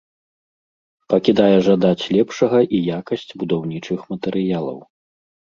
Пакідае жадаць лепшага і якасць будаўнічых матэрыялаў.